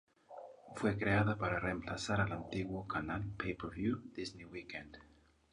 Fue creada para reemplazar el antiguo canal pay-per-view Disney Weekend.